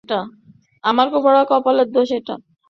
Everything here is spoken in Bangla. আমার পোড়া কপালের দোষ এটা।